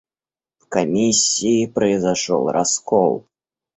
В комиссии произошел раскол.